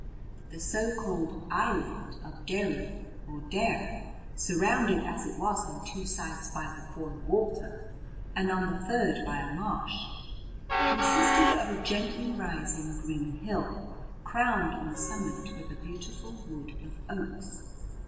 The so called "island" of Derry or Daire, surrounded as it was on two sides by the Foyle water and on the third by a marsh, consisted of a gently rising green hill, crowned on the summit with a beautiful wood of oaks.